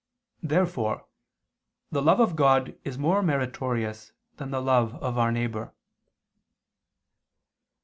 Therefore the love of God is more meritorious than the love of our neighbor.